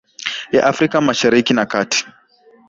ya afrika mashariki na kati